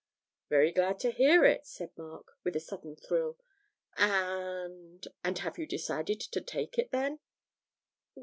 'Very glad to hear it,' said Mark, with a sudden thrill; 'and and have you decided to take it, then?'